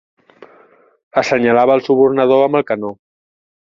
Assenyalava el subornador amb el canó.